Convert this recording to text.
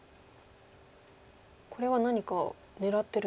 これは何か狙ってるんですか。